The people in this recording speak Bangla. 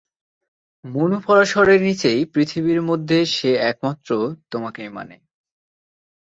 মনু-পরাশরের নীচেই পৃথিবীর মধ্যে সে একমাত্র তোমাকেই মানে।